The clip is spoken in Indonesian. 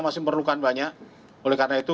masih memerlukan banyak oleh karena itu